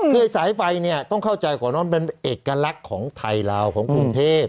คือสายไฟเนี่ยต้องเข้าใจก่อนว่ามันเป็นเอกลักษณ์ของไทยลาวของกรุงเทพ